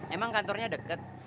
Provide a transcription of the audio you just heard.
emang kantornya deket